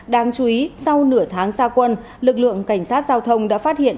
đáng chú ý sau nửa tháng gia quân lực lượng cảnh sát giao thông đã phát hiện